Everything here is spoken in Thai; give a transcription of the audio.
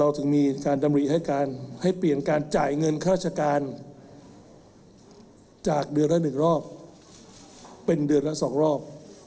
ถึงมีการดำรีให้การให้เปลี่ยนการจ่ายเงินค่าราชการจากเดือนละ๑รอบเป็นเดือนละ๒รอบ